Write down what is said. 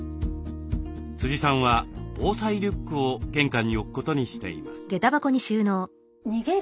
さんは防災リュックを玄関に置くことにしています。